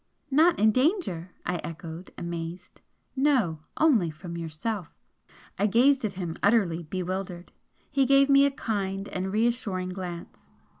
"Not in danger!" I echoed, amazed. "No! Only from yourself!" I gazed at him, utterly bewildered. He gave me a kind and reassuring glance.